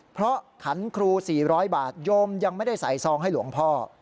เพราะขันครู๔๐๐บาทโยมยังไม่ได้ใส่ซองให้หลวงพ่อ